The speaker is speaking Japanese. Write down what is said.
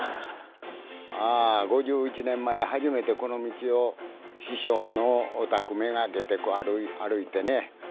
あ５１年前初めてこの道を師匠のお宅目がけて歩いてね。